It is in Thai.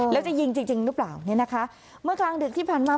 แล้วจะยิงจริงจริงหรือเปล่าเนี่ยนะคะเมื่อกลางดึกที่ผ่านมา